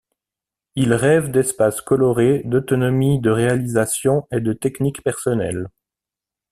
Il rêve d’espaces colorés, d’autonomie de réalisation et de techniques personnelles.